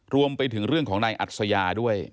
รวมไปถึงเรื่องของนายอัศยาด้วย